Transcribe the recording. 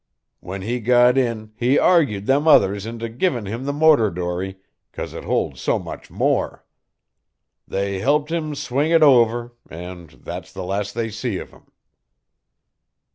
"When he got in he argued them others into givin' him the motor dory, 'cause it holds so much more. They helped him swing it over, an' that's the last they see of him."